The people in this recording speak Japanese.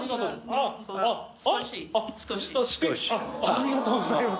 ありがとうございます。